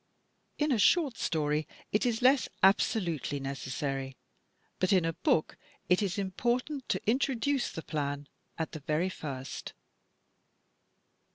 In a short story it is less abso lutely necessary, but in a book it is important to introduce the plan at the very first.